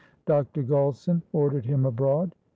Dr. Gulson ordered him abroad.